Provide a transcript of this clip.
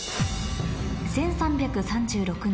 １３３６年